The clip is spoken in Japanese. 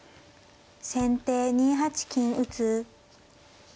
先手２八金打。